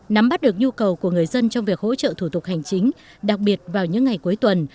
nắm bắt được nhu cầu của người dân trong việc hỗ trợ thủ tục hành chính đặc biệt vào những ngày cuối tuần